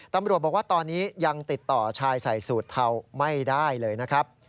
ตำรวจบอกว่าตอนนี้ยังติดต่อชายใส่สูตรเทาไม่ได้เลยนะครับ